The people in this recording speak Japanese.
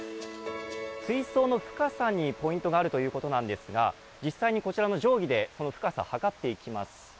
水槽の深さにポイントがあるということなんですが実際にこちらの定規でその深さ測っていきます。